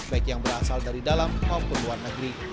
baik yang berasal dari dalam maupun luar negeri